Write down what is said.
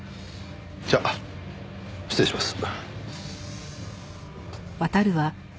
じゃあ失礼します。